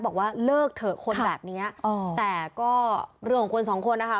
บอกว่าเลิกเถอะคนแบบนี้แต่ก็เรื่องของคนสองคนนะคะ